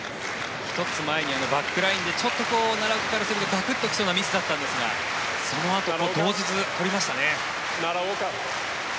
１つ前にバックラインで奈良岡からするとガクッときそうなミスだったんですがそのあと取りましたね。